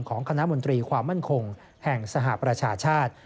ของคณะมนตรีความมั่นคงแห่งสหประชาชาติ